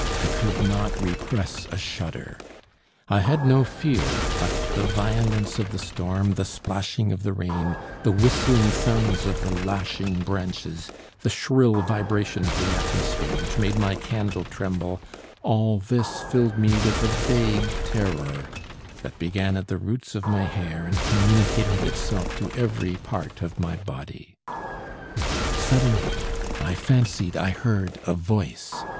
I could not repress a shudder. I had no fear; but the violence of the storm, the splashing of the rain, the whistling sounds of the lashing branches, the shrill vibration of the atmosphere, which made my candle tremble all this filled me with a vague terror that began at the roots of my hair and communicated itself to every part of my body. Suddenly I fancied I heard a voice!